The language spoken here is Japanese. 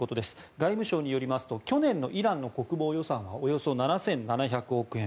外務省によりますと去年のイランの国防予算はおよそ７７００億円。